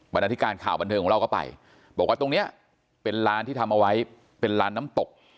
นาธิการข่าวบันเทิงของเราก็ไปบอกว่าตรงเนี้ยเป็นร้านที่ทำเอาไว้เป็นร้านน้ำตก